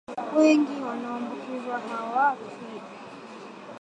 wengi wanaoambukizwa hawafi karibu asilimia pekee ndio hufa